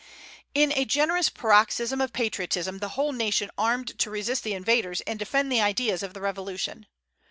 In a generous paroxysm of patriotism, the whole nation armed to resist the invaders and defend the ideas of the Revolution.